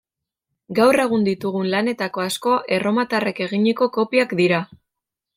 Gaur egun ditugun lanetako asko erromatarrek eginiko kopiak dira.